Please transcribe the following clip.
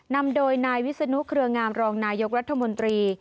นำโดยนายวิศนุเครืองามรองนายกรัฐมนตรี